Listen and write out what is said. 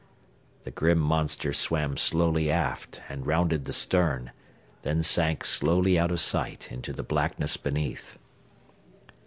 The grim monster swam slowly aft and rounded the stern, then sank slowly out of sight into the blackness beneath.